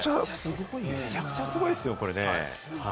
めちゃくちゃすごいですよね。